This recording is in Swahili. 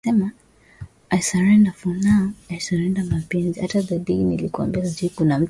karibu katika ngwe ya pili ya matangazo ya jioni ya idhaa ya kiswahili